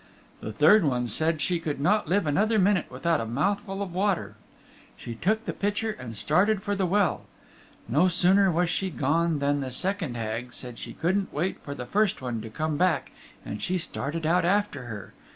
The third one said she could not live another minute without a mouthful of water. She took the pitcher and started for the well. No sooner was she gone than the second Hag said she couldn't wait for the first one to come back and she started out after her.